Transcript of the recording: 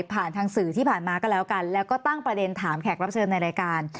ผ่านทางสื่อที่ผ่านมาก็แล้วกันแล้วก็ตั้งประเด็นถามแขกรับเชิญในรายการ